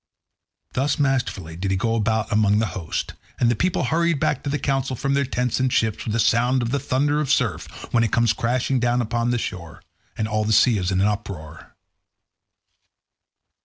Thus masterfully did he go about among the host, and the people hurried back to the council from their tents and ships with a sound as the thunder of surf when it comes crashing down upon the shore, and all the sea is in an uproar.